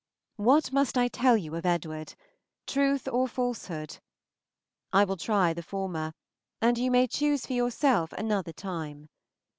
What must I tell you of Edward? Truth or falsehood? I will try the former, and you may choose for yourself another time.